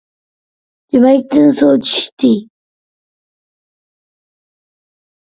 جۈمەكتىن سۇ چۈشتى.